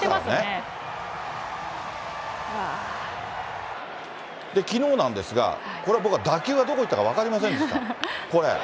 で、きのうなんですが、これは僕は打球がどこへ行ったか分かりませんでした、これ。